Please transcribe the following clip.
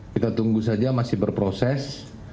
kita tunggu saja masih berproses